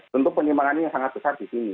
tentu penyimpangannya yang sangat besar di sini